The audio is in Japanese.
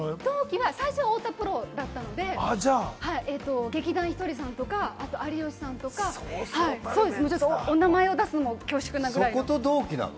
最初、太田プロだったので、劇団ひとりさんとか、有吉さんとか、お名前を出すのも恐縮くらいそこと同期なの。